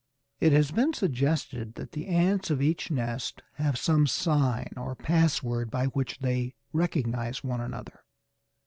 It has been suggested that the ants of each nest have some sign or password by which they recognize one another.